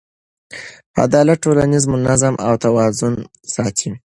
عدالت ټولنیز نظم او توازن ساتي.